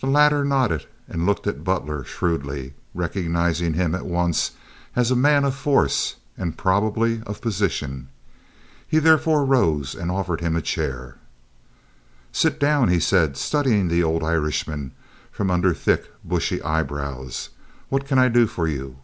The latter nodded and looked at Butler shrewdly, recognizing him at once as a man of force and probably of position. He therefore rose and offered him a chair. "Sit down," he said, studying the old Irishman from under thick, bushy eyebrows. "What can I do for you?"